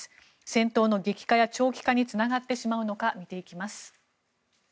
戦闘の激化や長期化につながってしまうのか見ていきます。